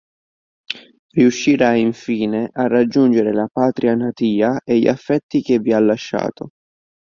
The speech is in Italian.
Riuscirà infine a raggiungere la patria natia e gli affetti che vi ha lasciato.